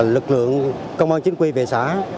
lực lượng công an chính quy về xã